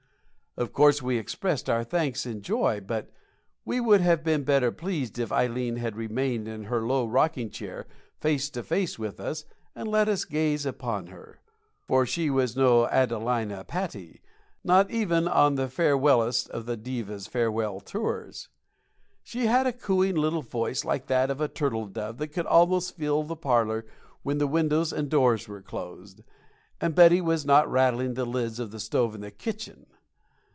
Of course, we expressed our thanks and joy; but we would have been better pleased if Ileen had remained in her low rocking chair face to face with us and let us gaze upon her. For she was no Adelina Patti not even on the farewellest of the diva's farewell tours. She had a cooing little voice like that of a turtle dove that could almost fill the parlor when the windows and doors were closed, and Betty was not rattling the lids of the stove in the kitchen.